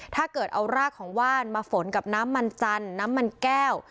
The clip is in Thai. ถ้าเกิดเอารากของว่านมาฝนกับน้ำมันจันทร์น้ำมันแก้ว